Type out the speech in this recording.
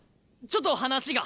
ちょっと話が。